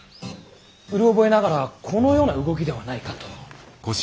うろ覚えながらこのような動きではないかと。